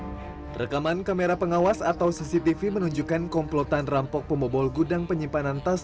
hai rekaman kamera pengawas atau cctv menunjukkan komplotan rampok pemobol gudang penyimpanan tas